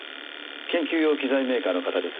研究用機材メーカーの方です。